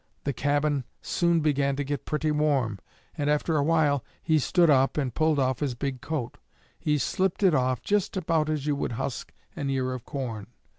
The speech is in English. The cabin soon began to get pretty warm, and after a while he stood up and pulled off his big coat. He slipped it off just about as you would husk an ear of corn.